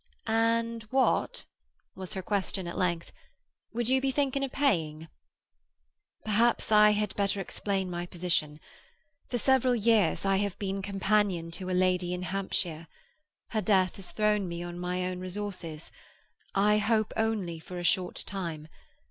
"And what," was her question at length, "would you be thinking of paying?" "Perhaps I had better explain my position. For several years I have been companion to a lady in Hampshire. Her death has thrown me on my own resources—I hope only for a short time.